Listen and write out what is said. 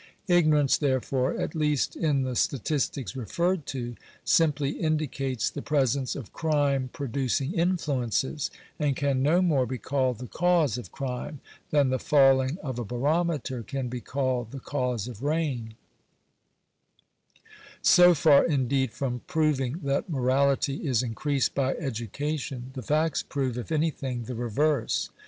Ignorance, therefore (at least in the statistics referred to), simply indicates the presence of crime producing influences, and can no more be * Quoted from a speech at Edinburgh. Digitized by VjOOQIC 348 NATIONAL EDUCATION. called the cause of crime than the falling of a barometer can be called the cause of rain. So far indeed from proving that morality is increased by education, the facts prove, if anything, the reverse.